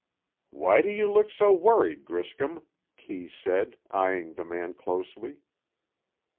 "Why do you look so worried, Griscom?" Kee said, eying the man closely.